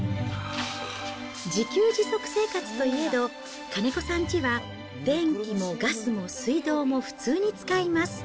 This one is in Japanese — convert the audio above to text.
自給自足生活といえど、金子さんちは電気もガスも水道も普通に使います。